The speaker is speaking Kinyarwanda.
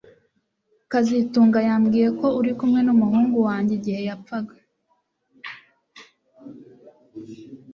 kazitunga yambwiye ko uri kumwe numuhungu wanjye igihe yapfaga